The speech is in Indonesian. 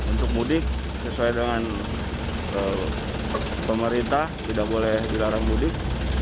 untuk mudik sesuai dengan pemerintah tidak boleh dilarang mudik